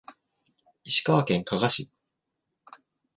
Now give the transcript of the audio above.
石川県加賀市